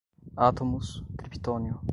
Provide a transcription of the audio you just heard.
átomos, criptônio